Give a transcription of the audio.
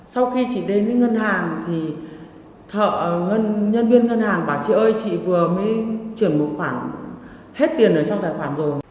sau khi chị đến với ngân hàng thì thợ nhân viên ngân hàng bảo chị ơi chị vừa mới chuyển một khoản hết tiền ở trong tài khoản rồi